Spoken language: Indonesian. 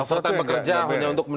oferta yang bekerja hanya untuk